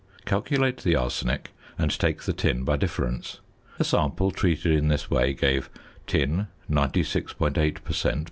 Calculate the arsenic and take the tin by difference. A sample treated in this way gave Tin 96.8 per cent.